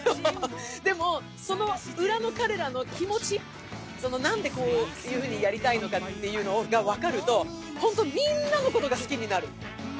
でも、その裏の彼らの気持ち、何でこういうふうにやりたいのかっていうのが分かるとほんとみんなのことが好きになる。